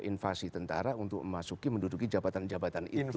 invasi tentara untuk memasuki menduduki jabatan jabatan itu